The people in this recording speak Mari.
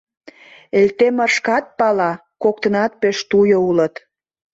Элтемыр шкат пала: коктынат пеш туйо улыт.